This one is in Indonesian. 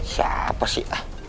siapa sih ah